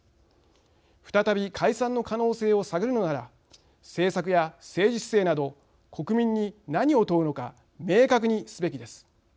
再び解散の可能性を探るのなら政策や政治姿勢など国民に何を問うのか明確にすべきです。